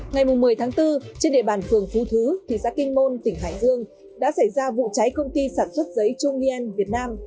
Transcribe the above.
ngày một mươi tháng bốn trên địa bàn phường phú thứ thị xã kinh môn tỉnh hải dương đã xảy ra vụ cháy công ty sản xuất giấy trung yen việt nam